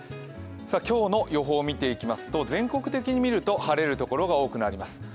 今日の予報を見ていきますと全国的に見ると晴れるところが多くなります。